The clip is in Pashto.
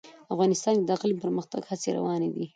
افغانستان کې د اقلیم د پرمختګ هڅې روانې دي.